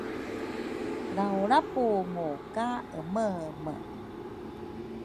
Lrawlrapungu ka emeeme